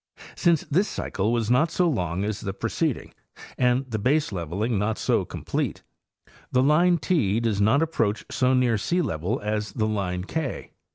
Since this cycle was not so long as the preceding and the baseleveling not so complete, the line T does not approach so near sealevel as the line K.